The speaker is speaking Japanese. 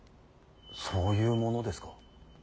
そういうものですか。